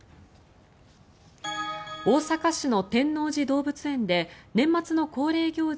大阪市の天王寺動物園で年末の恒例行事